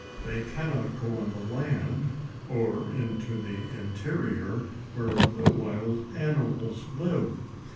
They cannot go on the land, or into the interior, where the wild animals live.